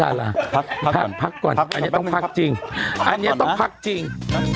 อันนี้ต้องพักจริง